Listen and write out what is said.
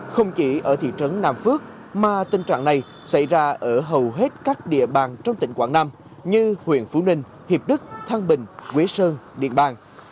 không chỉ ở thị trấn nam phước mà tình trạng này xảy ra ở hầu hết các địa bàn trong tỉnh quảng nam như huyện phú ninh hiệp đức thăng bình quế sơn điện bàn